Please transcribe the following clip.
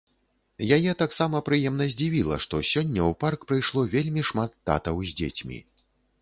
Яе таксама прыемна здзівіла, што сёння ў парк прыйшло вельмі шмат татаў з дзецьмі.